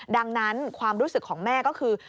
ดังนั้นความรู้สึกของแม่ก็คือ